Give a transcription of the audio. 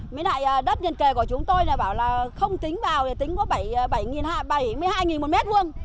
mới lại đất dân kề của chúng tôi bảo là không tính vào thì tính có bảy mươi hai một mét vuông